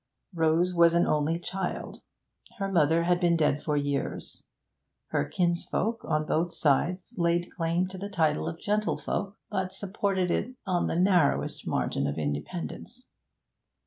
Rose was an only child; her mother had been dead for years; her kinsfolk on both sides laid claim to the title of gentlefolk, but supported it on the narrowest margin of independence.